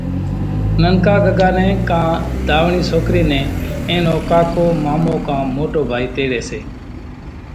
ننڪا ڳڳا نين ڪان ڌاوڻي سوڪري نين اين نو ڪاڪو مامو ڪان موٽو ڀائي تيڙي سي